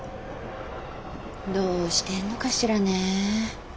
どうしてんのかしらねえ。